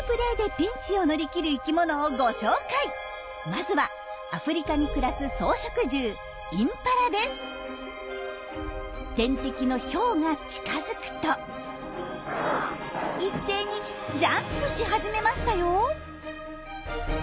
まずはアフリカに暮らす草食獣天敵のヒョウが近づくと一斉にジャンプし始めましたよ。